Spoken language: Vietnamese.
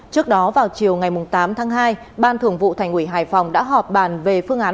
trước đó vào chiều ngày tám tháng hai ban thường vụ thành ủy hải phòng đã họp bàn về phương án